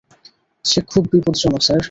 সে খুব বিপদজনক স্যার।